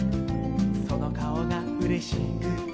「そのかおがうれしくて」